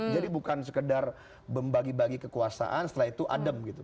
jadi bukan sekedar membagi bagi kekuasaan setelah itu adem gitu